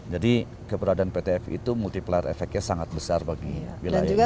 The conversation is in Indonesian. jadi keberadaan pt fi itu multiplier efeknya sangat besar bagi wilayah ini